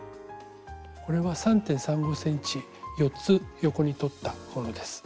これは３．３５ｃｍ４つ横に取ったものです。